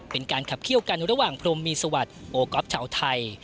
เป็นการขับเคี่ยวกันระหว่างพรมมีสวัสดิ์โอก๊อฟชาวไทย